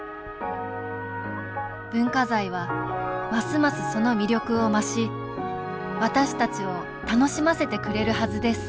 文化財はますますその魅力を増し私たちを楽しませてくれるはずです